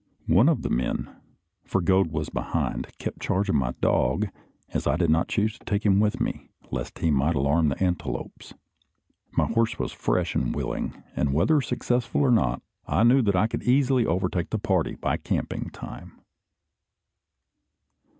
One of the men, for Gode was behind, kept charge of my dog, as I did not choose to take him with me, lest he might alarm the antelopes. My horse was fresh and willing; and whether successful or not, I knew that I could easily overtake the party by camping time.